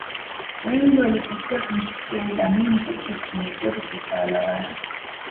Wengi walitokea kumchukia Idd Amin Katika kipindi chote Cha utawala wake